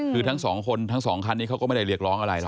คือทั้งสองคนทั้งสองคันนี้เขาก็ไม่ได้เรียกร้องอะไรหรอ